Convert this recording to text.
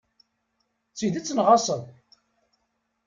D tidet neɣ aṣṣel?